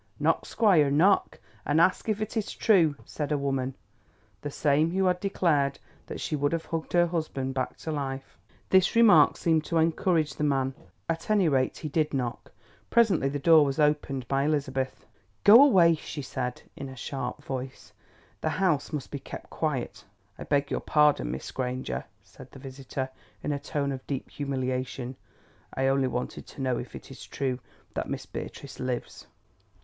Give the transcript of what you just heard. "Knock, squire, knock, and ask if it is true," said a woman, the same who had declared that she would have hugged her husband back to life. This remark seemed to encourage the man, at any rate he did knock. Presently the door was opened by Elizabeth. "Go away," she said in her sharp voice; "the house must be kept quiet." "I beg your pardon, Miss Granger," said the visitor, in a tone of deep humiliation. "I only wanted to know if it was true that Miss Beatrice lives."